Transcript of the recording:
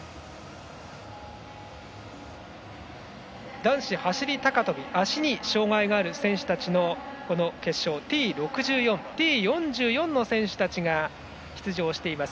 男子走り高跳び足に障がいのある選手たちの決勝Ｔ６４、Ｔ４４の選手たちが出場しています。